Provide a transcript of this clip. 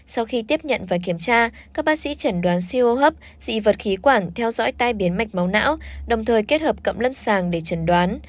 sau khi tiếp nhận và kiểm tra các bác sĩ chẩn đoán siêu hô hấp dị vật khí quản theo dõi tai biến mạch máu não đồng thời kết hợp cận lâm sàng để trần đoán